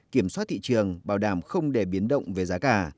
kiểm soát thị trường bảo đảm không để biến động về giá cả